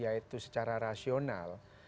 yaitu secara rasional